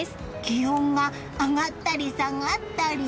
気温が上がったり下がったり。